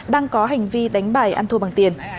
đang có hành vi đánh bài ăn thua bằng tiền